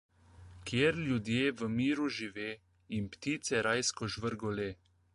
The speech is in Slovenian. Kjer ljudje v miru žive, jim ptice rajsko žvrgole.